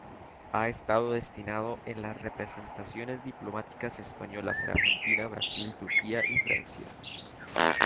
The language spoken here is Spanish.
Ha estado destinado en las representaciones diplomáticas españolas en Argentina, Brasil, Turquía y Francia.